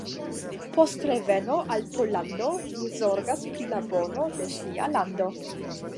Post reveno al Pollando li zorgas pri la bono de sia lando.